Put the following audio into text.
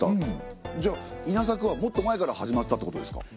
じゃあ稲作はもっと前から始まってたってことですか？